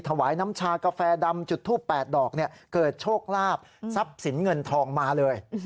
ถวายน้ำชากาแฟดำจุดทูป๘ดอกเนี่ยเกิดโชคลาภทรัพย์สินเงินทองมาเลย